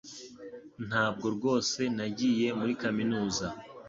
Ntabwo rwose nagiye muri kaminuza